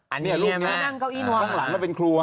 อันนี้มั้ยข้างหลังมันเป็นครัว